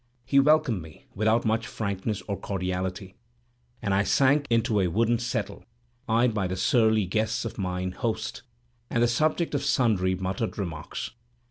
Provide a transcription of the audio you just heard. He welcomed me without much frankness or cordiality, and I sank into a wooden settle, eyed by the surly guests of mine host, and the subject of sundry muttered remarks.